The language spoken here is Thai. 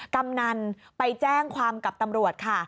กำนันไปแจ้งความกับตำรวจค่ะ